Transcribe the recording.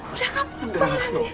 udah kamu setengah lagi